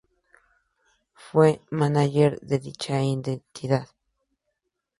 Fue mánager de dicha identidad.